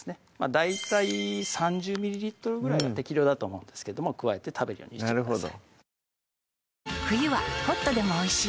大体３０ｍｌぐらいが適量だと思うんですけども加えて食べるようにしてください